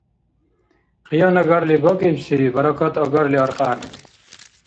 Къиян агарли бакӀибси баракат агарли аркьян.